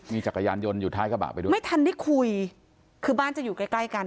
มีจักรยานยนต์อยู่ท้ายกระบะไปด้วยไม่ทันได้คุยคือบ้านจะอยู่ใกล้ใกล้กัน